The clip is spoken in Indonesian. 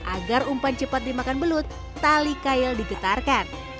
agar umpan cepat dimakan belut tali kail digetarkan